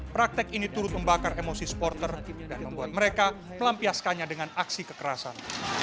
praktek ini turut membakar emosi supporter dan membuat mereka melampiaskannya dengan aksi kekerasan